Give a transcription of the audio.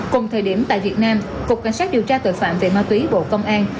cùng thời điểm tại việt nam cục cảnh sát điều tra tội phạm về ma túy bộ công an